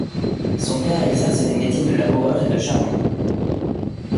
Son père exerçe les métiers de laboureur et de charron.